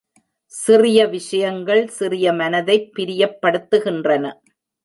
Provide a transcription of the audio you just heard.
சிறிய விஷயங்கள் சிறிய மனதைப் பிரியப்படுத்துகின்றன